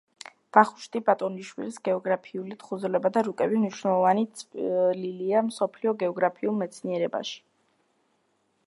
ვახუშტი ბატონიშვილის გეოგრაფიული თხზულება და რუკები მნიშვნელოვანი წვლილია მსოფლიო გეოგრაფიულ მეცნიერებაში.